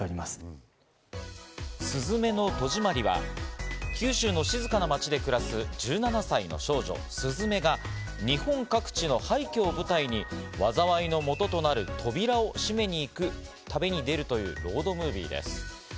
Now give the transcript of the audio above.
『すずめの戸締まり』は九州の静かな街で暮らす１７歳の少女・すずめが日本各地の廃虚を舞台に、災いの元となる扉を閉めに行く旅に出るというロードムービーです。